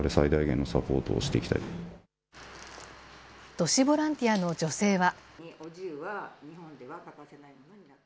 都市ボランティアの女性は。